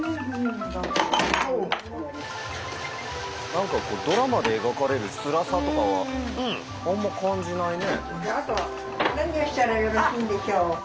何かドラマで描かれるつらさとかはあんま感じないね。